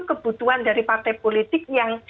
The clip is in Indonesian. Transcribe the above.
kebutuhan dari partai politik yang